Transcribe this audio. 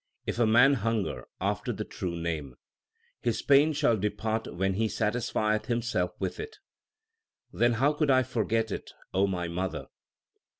If a man hunger after the true Name, His pain shall depart when he satisfieth himself with it. 2 Then how could I forget it, O my mother